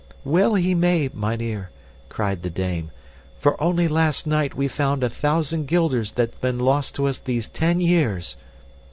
"Well he may, mynheer," cried the dame, "for only last night we found a thousand guilders that's been lost to us these ten years."